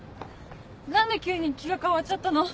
何で急に気が変わっちゃったの？